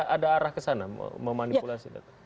ada arah kesana memanipulasi data